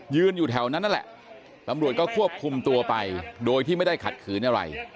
อยู่แถวนั้นนั่นแหละตำรวจก็ควบคุมตัวไปโดยที่ไม่ได้ขัดขืนอะไร